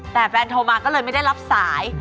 แต่แฟนโทรมาก็เลยไม่ได้รับสาย